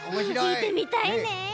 きいてみたいね！